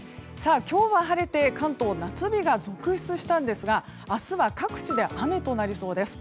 今日は晴れて関東、夏日が続出したんですが明日は各地で雨となりそうです。